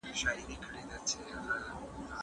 چي زموږ هيواد څلويښت کاله جګړه تجربه کړې ده،